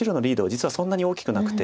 実はそんなに大きくなくて。